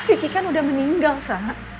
riki kan udah meninggal sa